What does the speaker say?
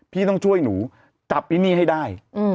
พี่ต้องช่วยหนูจับไอ้นี่ให้ได้